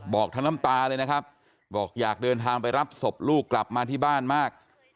บอกทั้งน้ำตาเลยนะครับบอกอยากเดินทางไปรับศพลูกกลับมาที่บ้านมาก